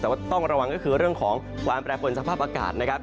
แต่ว่าต้องระวังก็คือเรื่องของความแปรปวนสภาพอากาศนะครับ